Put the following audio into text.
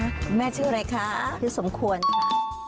คุณแม่ชื่ออะไรคะคุณสมควรค่ะที่สมควรค่ะ